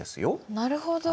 なるほど。